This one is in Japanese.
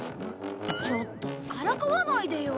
ちょっとからかわないでよ。